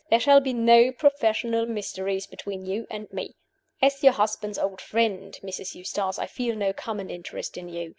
There shall be no professional mysteries between you and me. As your husband's old friend, Mrs. Eustace, I feel no common interest in you.